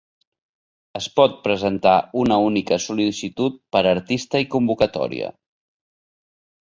Es pot presentar una única sol·licitud per artista i convocatòria.